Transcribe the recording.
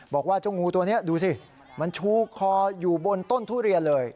บอกว่าเจ้างูตัวนี้ดูสิมันชูคออยู่บนต้นทุเรียนเลย